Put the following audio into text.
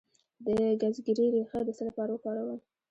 د ګزګیرې ریښه د څه لپاره وکاروم؟